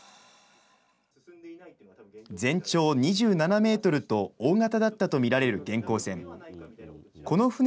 全長２７メートルと、大型だったと見られる元寇船。